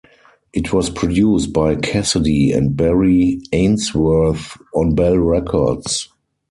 It was produced by Cassidy and Barry Ainsworth on Bell Records.